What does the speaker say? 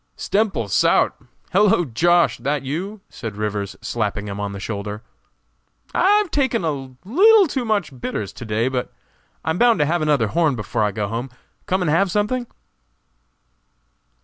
"Stemple sout! Hellow, Josh., that you?" said Rivers, slapping him on the shoulder. "I've taken a leetle too much bitters to day, but I'm bound to have another horn before I go home. Come and have something?"